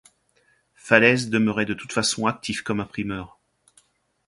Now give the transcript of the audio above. Phalèse demeurait de toute façon actif comme imprimeur.